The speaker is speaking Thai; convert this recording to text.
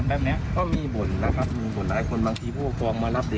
ย้ายแล้วทำยังไงต้องขูด